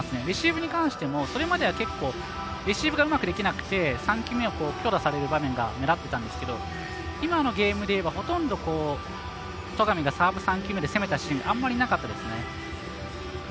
レシーブに関してもそれまでは結構レシーブがうまくできなくて３球目を強打される場面が目立っていたんですけど今のゲームでいえばほとんど戸上がサーブ３球目で攻めたシーンがあんまりなかったですね。